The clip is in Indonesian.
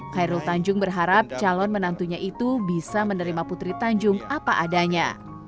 khairul tanjung berharap calon menantunya itu bisa menerima putri tanjung apa adanya